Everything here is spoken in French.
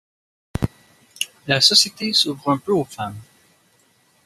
La société s'ouvre un peu aux femmes.